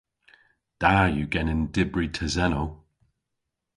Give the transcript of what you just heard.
Da yw genen dybri tesennow.